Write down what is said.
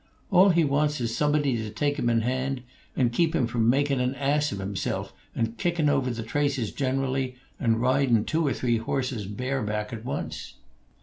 All he wants is somebody to take him in hand and keep him from makin' an ass of himself and kickin' over the traces generally, and ridin' two or three horses bareback at once."